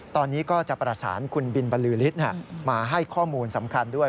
ตอนนี้ก็จะประสานคุณบินบรรลือฤทธิ์มาให้ข้อมูลสำคัญด้วย